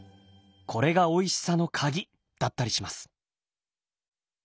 これがおいしさの鍵だったりします。